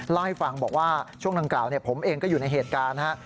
เล่าให้ฟังบอกว่าช่วงดังกล่าวผมเองก็อยู่ในเหตุการณ์นะฮะ